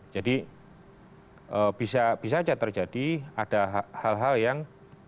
jadi bisa saja terjadi ada hal hal yang